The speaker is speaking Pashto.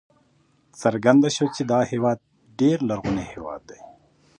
څرګنده شوه چې دا هېواد ډېر لرغونی هېواد دی.